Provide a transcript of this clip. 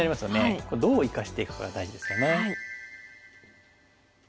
これどう生かしていくかが大事ですよね。